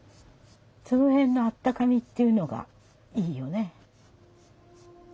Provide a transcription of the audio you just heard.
その辺のあったかみっていうのがいいよね。